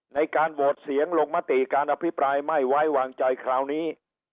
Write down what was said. ในการโหวตเสียงลงมติการอภิปรายไม่ไว้วางใจคราวนี้